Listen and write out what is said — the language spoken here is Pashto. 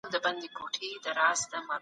لوستونکي بايد د هر ډول موضوعاتو حق ولري.